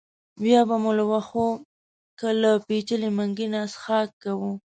بیا به مو له وښو کې له پېچلي منګي نه څښاک کاوه.